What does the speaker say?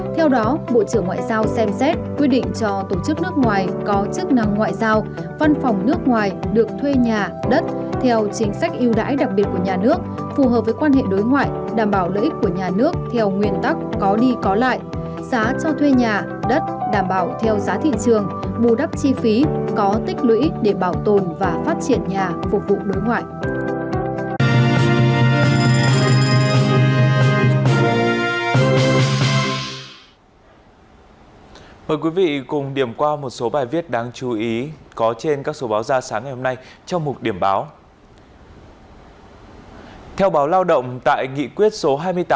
theo đó bộ trưởng ngoại giao xem xét quy định cho tổ chức nước ngoài có chức năng ngoại giao văn phòng nước ngoài được thuê nhà đất theo chính sách yêu đãi đặc biệt của nhà nước phù hợp với quan hệ đối ngoại đảm bảo lợi ích của nhà nước theo nguyên tắc có đi có lại giá cho thuê nhà đất đảm bảo theo giá thị trường bù đắp chi phí có tích lưỡi để bảo tồn và phát triển nhà phục vụ đối ngoại